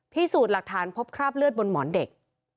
พิสูจน์หลักฐานพบคราบเลือดบนหมอนเด็ก